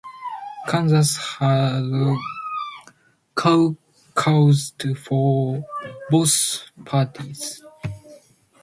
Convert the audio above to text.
Kansas had caucuses for both parties.